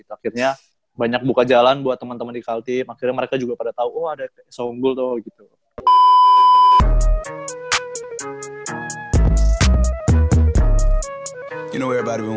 akhirnya banyak buka jalan buat temen temen di calteam akhirnya mereka juga pada tau oh ada di songgul tuh